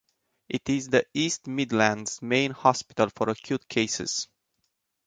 It is the East Midlands' main hospital for acute cases.